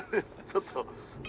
ちょっと。